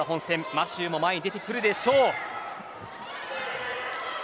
マシューも前に出てくるでしょう。